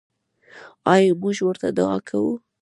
آیا موږ ورته دعا کوو؟